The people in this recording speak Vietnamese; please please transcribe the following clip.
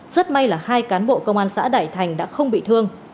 rất may là hai cán bộ công an xã đại thành đã không bị thương